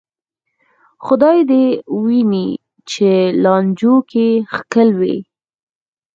خدای دې دې ویني چې لانجو کې ښکېل وې.